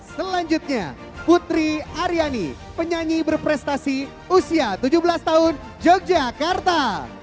selanjutnya putri aryani penyanyi berprestasi usia tujuh belas tahun yogyakarta